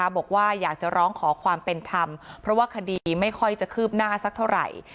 บอกว่าอยากจะร้องขอความเป็นธรรมเพราะว่าคดีไม่ค่อยจะคืบหน้าสักเท่าไหร่